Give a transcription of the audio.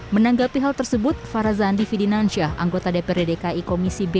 menanggapi hal tersebut farazandi fidinansyah anggota dprd dki komisi b